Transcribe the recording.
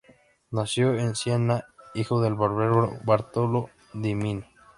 Nació en Siena, hijo del barbero Bartolo di Mino.